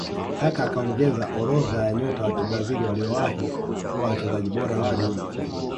Kaka akaongeza orodha ya nyota wa kibrazil waliowahi kuwa wachezaji bora wa duni